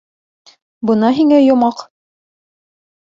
Бына һиңә йомаҡ!